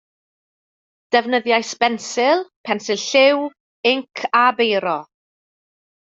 Defnyddiais bensil, pensil lliw, inc a beiro